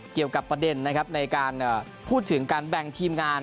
เกี่ยวกับประเด็นนะครับในการพูดถึงการแบ่งทีมงาน